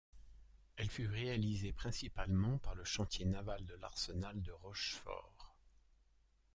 Elle fut réalisée principalement par le chantier naval de l'arsenal de Rochefort.